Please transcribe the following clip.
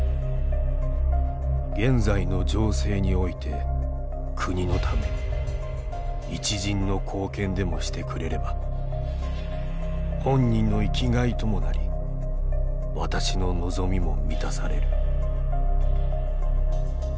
「現在の情勢において国のため一塵の貢献でもしてくれれば本人の生きがいともなり私の望みも満たされる」。